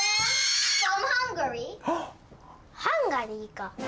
ハンガリーか！